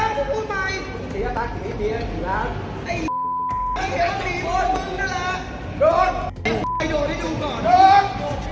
กูจะหาพี่หน่อยนะอะไรเธอพูดใหม่